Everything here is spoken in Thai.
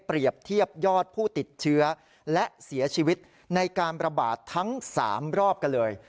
เทียบยอดผู้ติดเชื้อและเสียชีวิตในการประบาดทั้ง๓รอบกันเลย